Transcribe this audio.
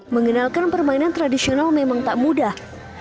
mengenalkan permainan tradisional memang tak mudah